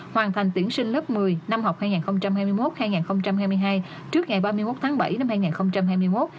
hoàn thành tuyển sinh lớp một mươi năm học hai nghìn hai mươi một hai nghìn hai mươi hai trước ngày ba mươi một tháng bảy năm hai nghìn hai mươi một